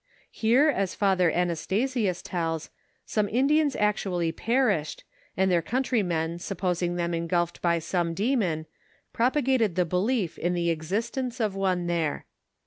Hero aa Father Annstnsius tellis some Indians actually perished, and their countrymen ■upposing them engulfed by some demon, propa^intcd the belief in the exist ence of one there.